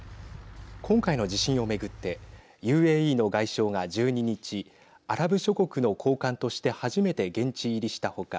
今回の地震を巡ってＵＡＥの外相が１２日アラブ諸国の高官として初めて現地入りした他